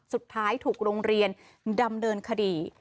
สุดท้ายถูกโรงเรียนดำเนินคดี